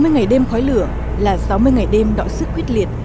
sáu mươi ngày đêm khói lửa là sáu mươi ngày đêm đọa sức quyết liệt